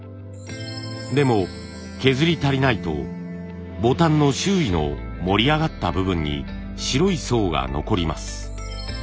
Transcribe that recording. でも削り足りないとボタンの周囲の盛り上がった部分に白い層が残ります。